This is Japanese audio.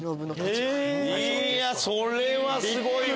いやそれはすごいわ！